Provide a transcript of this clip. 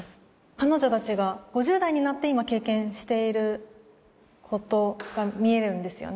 彼女たちが５０代になって今経験していることが見えるんですよね